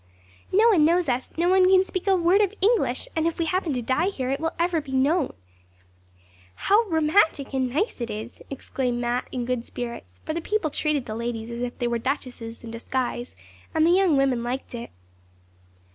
'No one knows us, no one can speak a word of English, and if we happen to die here it will never be known. How romantic and nice it is!' exclaimed Mat, in good spirits, for the people treated the ladies as if they were duchesses in disguise, and the young women liked it.